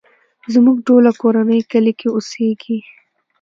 زموږ ټوله کورنۍ کلی کې اوسيږې.